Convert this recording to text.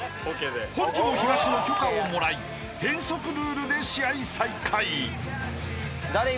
［本庄東の許可をもらい変則ルールで試合再開］